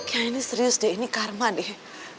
ya ini serius deh ini karma deh